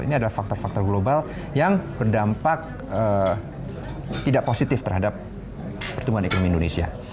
ini adalah faktor faktor global yang berdampak tidak positif terhadap pertumbuhan ekonomi indonesia